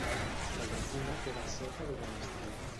La llacuna queda seca durant l'estiu.